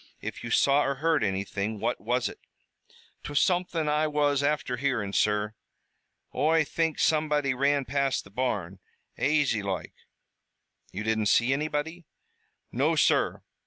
If you saw or heard anything, what was it?" "'Twas something Oi was afther hearin', sur. Oi think somebody ran past the barn, aisy loike." "You didn't see anybody?" "No, sur.